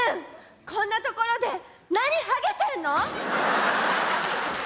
こんなところで何ハゲてんの！？